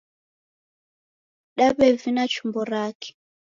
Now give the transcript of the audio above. Daw'evina chumbo rake.